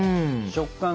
食感が。